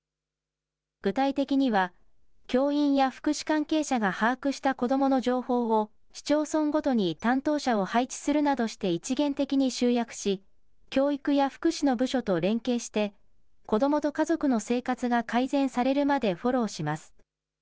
具体的には、教員や福祉関係者が把握した子どもの情報を市町村ごとに担当者を配置するなどして一元的に集約し、教育や福祉の部署と連携して、子どもと家族の生活が改善されるまでフォローします。